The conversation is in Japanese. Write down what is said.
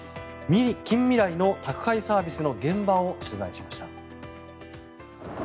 近未来の宅配サービスの現場を取材しました。